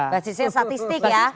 basisnya statistik ya